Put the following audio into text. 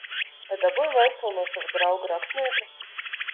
Vai dabūji vēstuli no sava drauga rakstnieka?